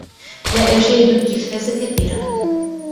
لا أشاهد التلفاز كثيرا.